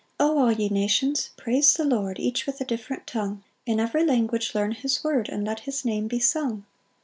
1 O all ye nations, praise the Lord, Each with a different tongue; In every language learn his word, And let his Name be sung.